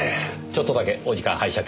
ちょっとだけお時間拝借。